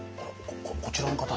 こちらの方は？